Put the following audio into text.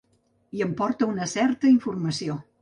I em porta una certa informació.